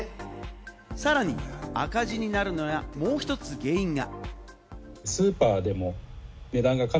さらに赤字になるのは、もう１つ原因が。